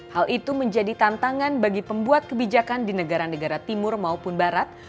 hal itu menjadi tantangan bagi pembuat kebijakan di negara negara timur maupun barat